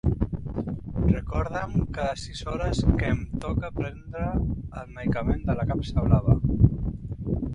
Recorda'm cada sis hores que em toca prendre el medicament de la capsa blava.